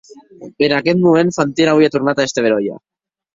En aqueth moment Fantina auie tornat a èster beròia.